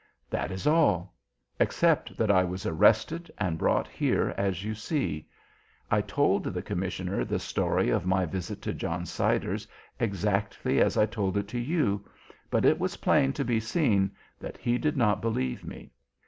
That is all. Except that I was arrested and brought here as you see. I told the commissioner the story of my visit to John Siders exactly as I told it to you, but it was plain to be seen that he did not believe me.